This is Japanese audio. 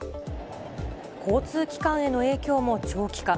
交通機関への影響も長期化。